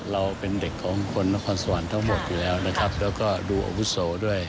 เราเป็นเด็กของคนนครสวรรค์ทั้งหมดอยู่แล้วนะครับแล้วก็ดูอาวุโสด้วย